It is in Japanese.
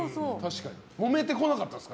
もめてこなかったですか？